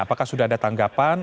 apakah sudah ada tanggapan